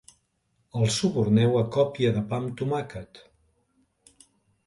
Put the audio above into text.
El suborneu a còpia de pa amb tomàquet.